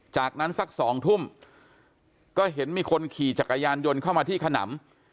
จากนั้นสัก๒ทุ่มก็เห็นมีคนขี่จักรยานยนต์เข้ามาที่ขนำ